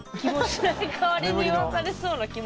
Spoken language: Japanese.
代わりに言わされそうな気も。